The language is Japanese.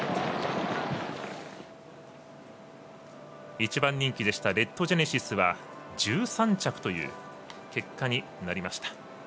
１番人気でしたレッドジェネシスは１３着という結果になりました。